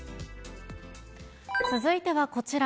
続いてはこちら。